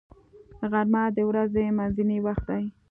غرمه د ورځې منځنی وخت دی